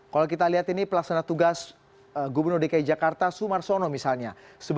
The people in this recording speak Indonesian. kalau kita lihat ini pelaksana tugas gubernur dki jakarta sumarsono misalnya